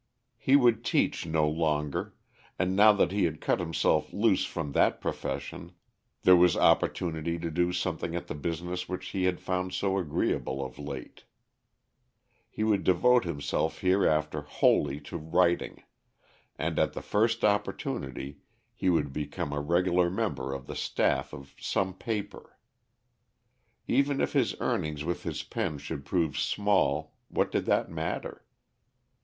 He would teach no longer, and now that he had cut himself loose from that profession there was opportunity to do something at the business which he had found so agreeable of late. He would devote himself hereafter wholly to writing, and at the first opportunity he would become a regular member of the staff of some paper. Even if his earnings with his pen should prove small, what did that matter?